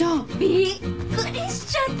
びっくりしちゃった！